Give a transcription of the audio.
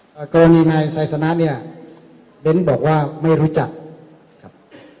เกราะงี้ในไซสนัสเนี่ยเบ้นบอกว่าไม่รู้จักครับ